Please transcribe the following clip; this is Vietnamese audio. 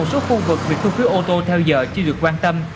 các khu vực việc thu phí ô tô theo giờ chưa được quan tâm